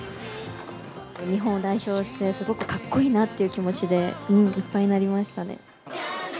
日本を代表して、すごくかっこいいなっていう気持ちでいっぱいになりましたね。